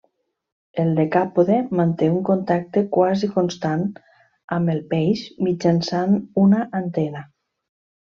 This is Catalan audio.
El decàpode manté un contacte quasi constant amb el peix mitjançant una antena.